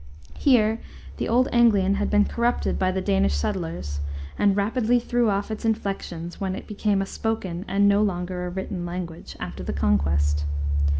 Here the old Anglian had been corrupted by the Danish settlers, and rapidly threw off its inflections when it became a spoken and no longer a written language, after the Conquest.